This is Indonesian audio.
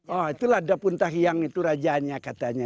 oh itulah da pun tahyang itu rajanya katanya